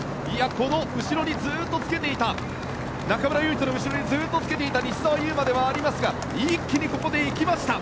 この後ろにずっとつけていた中村唯翔に後ろにずっとつけていた西澤侑真ではありますが一気にここで行きました。